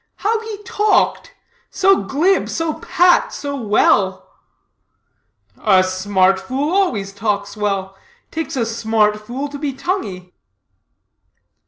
How he talked so glib, so pat, so well." "A smart fool always talks well; takes a smart fool to be tonguey."